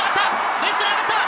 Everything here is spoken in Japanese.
レフトに上がった！